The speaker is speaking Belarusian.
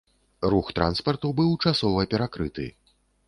Рух транспарту быў часова перакрыты.